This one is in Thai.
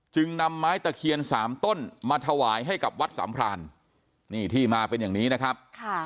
จึงนำไม้ตะเคียนสามต้นมาถวายให้กับวัดสามพรานนี่ที่มาเป็นอย่างนี้นะครับ